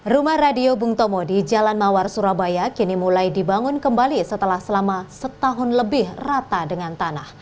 rumah radio bung tomo di jalan mawar surabaya kini mulai dibangun kembali setelah selama setahun lebih rata dengan tanah